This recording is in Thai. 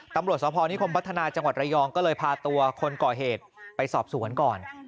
ตำรวจสพนิคมพัฒนาจังหวัดระยองก็เลยพาตัวคนก่อเหตุไปสอบสวนก่อน